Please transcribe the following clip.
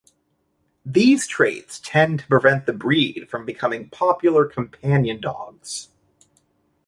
These traits tend to prevent the breed from becoming popular companion dogs.